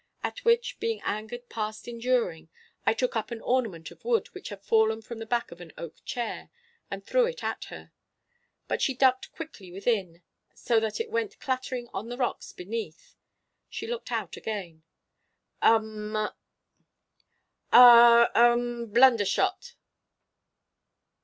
At which, being angered past enduring, I took up an ornament of wood which had fallen from the back of an oak chair, and threw it at her. But she ducked quickly within, so that it went clattering on the rocks beneath. She looked out again. 'Ah—um—blundershot!